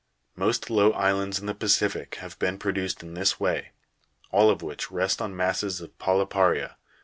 Most low islands in the Pacific have been produced in this way, all of which rest on masses of polypa'ria.